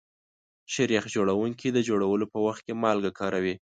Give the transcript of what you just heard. شیریخ جوړونکي د جوړولو په وخت کې مالګه کاروي.